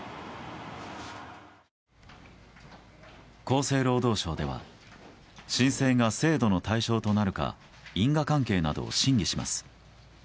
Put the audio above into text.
厚生労働省では申請が制度の対象となるか因果関係などを審議します。